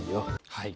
はい！